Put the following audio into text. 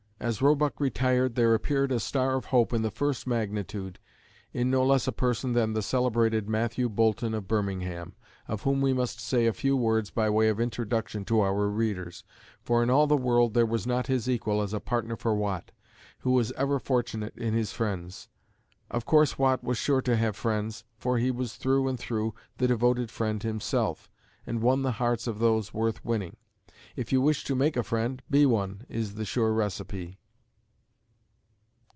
As Roebuck retired, there appeared a star of hope of the first magnitude, in no less a person than the celebrated Matthew Boulton of Birmingham, of whom we must say a few words by way of introduction to our readers, for in all the world there was not his equal as a partner for Watt, who was ever fortunate in his friends. Of course Watt was sure to have friends, for he was through and through the devoted friend himself, and won the hearts of those worth winning. "If you wish to make a friend, be one," is the sure recipe.